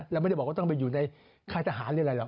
เราไม่ได้บอกว่าต้องไปอยู่ในค่ายทหารหรืออะไรหรอ